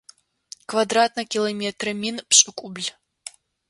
Квадратнэ километрэ мин пшӏыкӏубл.